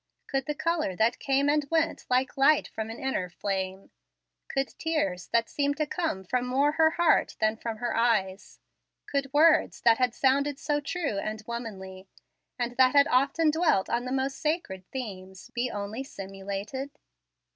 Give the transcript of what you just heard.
Could the color that came and went like light from an inner flame, could tears that seemed to come more from her heart than from her eyes, could words that had sounded so true and womanly, and that had often dwelt on the most sacred themes, be only simulated?